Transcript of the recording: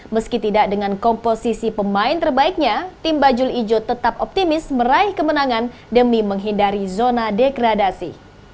meski tidak dengan komposisi pemain terbaiknya tim bajul ijo tetap optimis meraih kemenangan demi menghindari zona degradasi